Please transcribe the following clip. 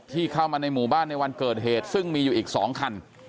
เข้ามาในหมู่บ้านในวันเกิดเหตุซึ่งมีอยู่อีก๒คัน